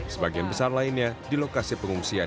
sebagian besar lainnya di lokasi pengungsian